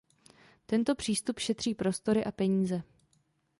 Tento přístup šetří prostory a peníze.